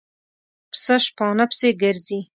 پسه شپانه پسې ګرځي.